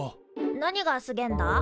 何がすげえんだ？